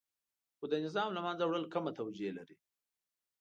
خو د نظام له منځه وړل کمه توجیه لري.